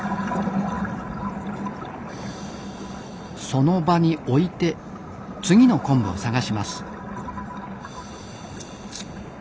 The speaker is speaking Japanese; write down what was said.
その場に置いて次の昆布を探します。